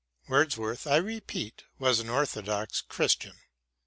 Wordsworth, I repeat, was an orthodox Christian.